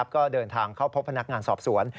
ก็เดินทางเข้าพบพนักงานสอบสวน